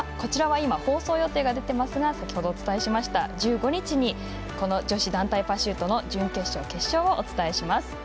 放送予定が出ていましたが先ほどお伝えしました１５日に女子団体パシュートの準決勝、決勝をお伝えします。